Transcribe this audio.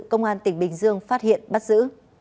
công an tỉnh bình dương phát hiện bắt giữ